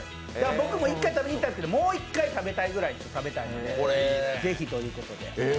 僕も１回食べに行ったんですけどもう一回食べたいぐらい、是非ということで。